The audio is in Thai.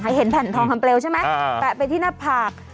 เห็นแผ่นทองคำเปลวใช่ไหมแปะไปที่หน้าผาก